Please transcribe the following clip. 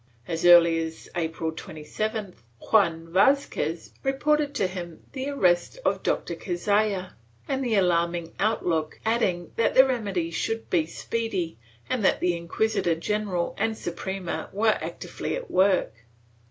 As early as April 27th, Juan Vazquez reported to him the arrest of Dr. Cazalla and the alarming outlook, adding that the remedy should be speedy and that the inquisitor general and Suprema were actively at work.